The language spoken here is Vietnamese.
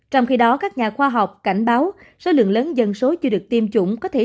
trong khi đó các nhà khoa học cảnh báo số lượng lớn dân số chưa được tiêm chủng có thể